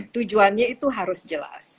tujuannya itu harus jelas